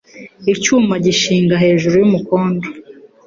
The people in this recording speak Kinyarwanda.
Icyuma gishinga hejuru y'umukondo,